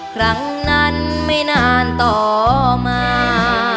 ครั้งนั้นไม่นานต่อมา